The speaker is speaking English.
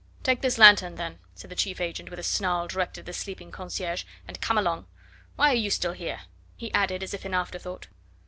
"Take this lanthorn, then," said the chief agent with a snarl directed at the sleeping concierge, "and come along. Why are you still here?" he added, as if in after thought.